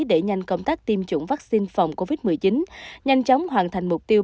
để nhanh công tác tiêm chủng vaccine phòng covid một mươi chín nhanh chóng hoàn thành mục tiêu